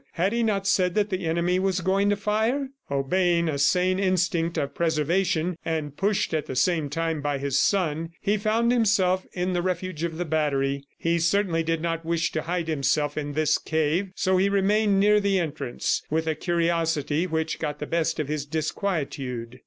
Had he not said that the enemy was going to fire? ... Obeying a sane instinct of preservation, and pushed at the same time by his son, he found himself in the refuge of the battery. He certainly did not wish to hide himself in this cave, so he remained near the entrance, with a curiosity which got the best of his disquietude.